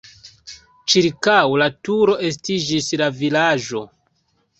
Ĉirkaŭ la turo estiĝis la vilaĝo.